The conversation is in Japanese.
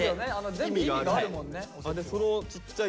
全部意味があるもんね。